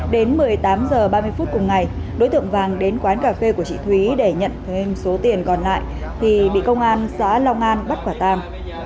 đến một mươi tám h ba mươi phút cùng ngày đối tượng vàng đến quán cà phê của chị thúy để nhận thêm số tiền còn lại thì bị công an xã long an bắt quả tang